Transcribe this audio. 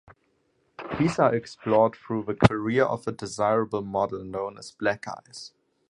These are explored through the career of a desirable model known as "Blackeyes".